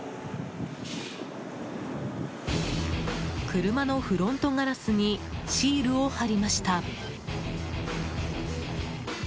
車のフロントガラスにシールを貼りました。